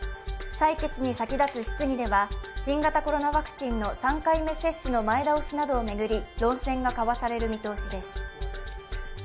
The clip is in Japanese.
採決に先立つ質疑では新型コロナワクチンの３回目接種の前倒しなどを巡り論戦が交わされる見通しです。